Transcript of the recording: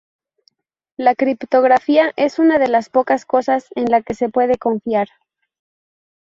la criptografía es una de las pocas cosas en las que se puede confiar